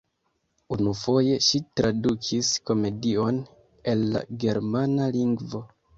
Unufoje ŝi tradukis komedion el la germana lingvo.